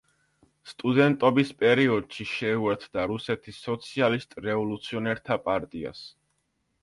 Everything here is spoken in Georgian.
სტუდენტობის პერიოდში შეუერთდა რუსეთის სოციალისტ-რევოლუციონერთა პარტიას.